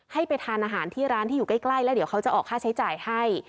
ให้ไปทานอาหารที่ร้านที่อยู่ใกล้แล้วเดี๋ยวเขาจะออกค่าใช้จ่ายให้